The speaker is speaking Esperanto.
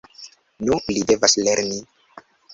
Nu li devas lerni!